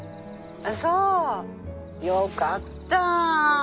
そうよかった。